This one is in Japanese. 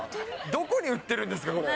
どこに売ってるんですか、これ。